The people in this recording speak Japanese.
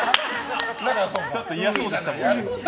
ちょっと嫌そうでしたもんね。